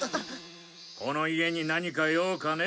この家に何か用かね？